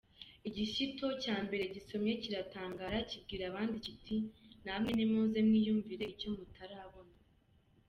Igishyito cya mbere gisomye kiratangara; kibwira abandi, kiti: "Na mwe nimuze mwiyumvire icyo mutarabona.